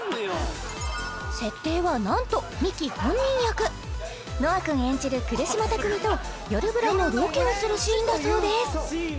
設定はなんとミキ本人役ＮＯＡ君演じる久留島巧と「よるブラ」のロケをするシーンだそうです